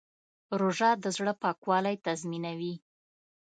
روژه د زړه پاکوالی تضمینوي.